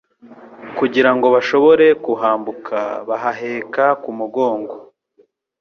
kugira ngo bashobore kuhambuka babaheka k' umugongo